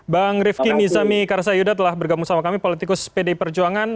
bang rifki nizami karsayuda telah bergabung sama kami politikus pdi perjuangan